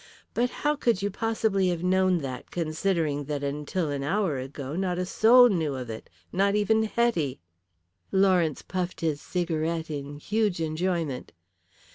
But how could you possibly have known that considering that until an hour ago not a soul knew of it, not even Hetty!" Lawrence puffed his cigarette in huge enjoyment.